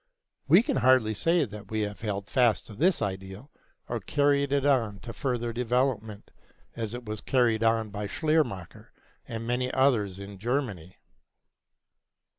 We can hardly say that we have held fast to this ideal or carried it on to further development, as it was carried on by Schleiermacher and many others in Germany.